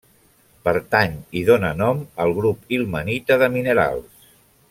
Pertany i dóna nom al grup ilmenita de minerals.